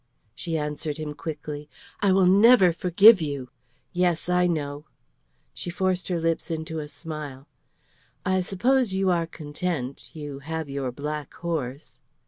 She answered him quickly. "I will never forgive you. Yes, I know." She forced her lips into a smile. "I suppose you are content. You have your black horse."